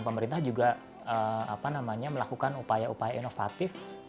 pemerintah juga melakukan upaya upaya inovatif